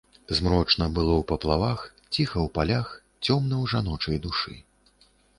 Змрочна было ў паплавах, ціха ў палях, цёмна ў жаночай душы.